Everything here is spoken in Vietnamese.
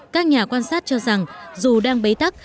các nhà quan sát cho rằng dù đang bế tắc